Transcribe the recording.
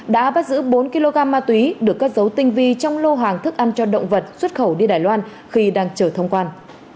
đã bắt giữ bốn kg ma túy được cất dấu tinh vi trong lô hàng thức ăn cho động vật xuất khẩu đi đài loan khi đang chở thông quan